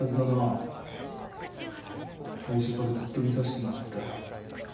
最初からずっと見させてもらったよ。